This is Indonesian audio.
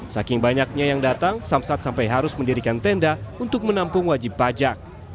saking banyaknya yang datang samsat sampai harus mendirikan tenda untuk menampung wajib pajak